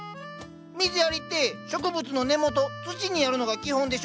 水やりって植物の根元土にやるのが基本でしょ。